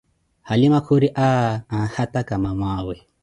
Halima khuri aaa, anhataka mamawe